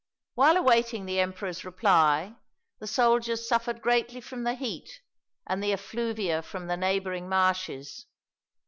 While awaiting the emperor's reply, the soldiers suffered greatly from the heat and the effluvia from the neighboring marshes.